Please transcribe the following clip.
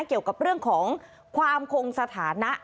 เกี่ยวกับเรื่องของความคงสถานะ